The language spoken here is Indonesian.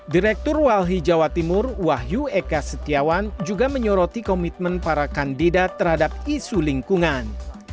direktur walhi jawa timur wahyu eka setiawan juga menyoroti komitmen para kandidat terhadap isu lingkungan